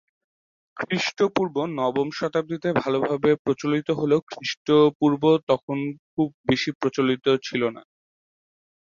খ্রিস্টাব্দ নবম শতাব্দীতে ভালোভাবে প্রচলিত হলেও খ্রিস্টপূর্ব তখন খুব বেশি প্রচলিত ছিলো না।